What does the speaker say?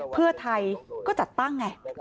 เพื่อไทยก็จัดตั้งไง